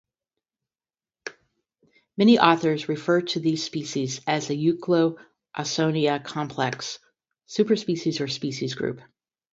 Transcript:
Many authors refer to these species as the "Euchloe ausonia"-complex, -superspecies or -species group.